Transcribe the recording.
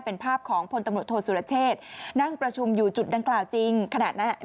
เป็นภาพของพลตำรวจโทษสุรเชษนั่งประชุมอยู่จุดดังกล่าวจริงขณะนั้น